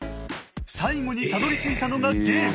最後にたどりついたのがゲーム！